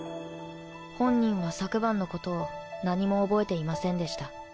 本人は昨晩のことを何も覚えていませんでした。